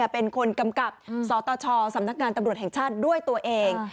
ซอตชสำนักงานตำรวจแห่งชาติด้วยตัวเอง